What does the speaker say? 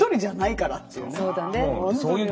そうだね。